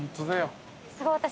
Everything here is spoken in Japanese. すごい私。